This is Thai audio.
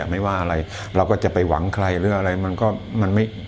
ไม่ว่าอะไรเราก็จะไปหวังใครหรืออะไร